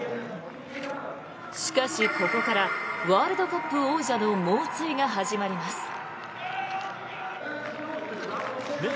しかし、ここからワールドカップ王者の猛追が始まります。